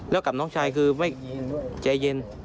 แล้วกับน้องชายคือไม่ใจเย็น